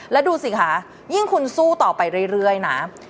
แล้วดูสิคะยิ่งคุณสู้ต่อไปเรื่อยนะ